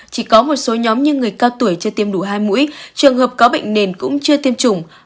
chỉ có một số nhóm như người cao tuổi chưa tiêm đủ hai mũi trường hợp có bệnh nền cũng chưa tiêm chủng